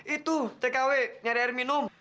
itu tkw nyari air minum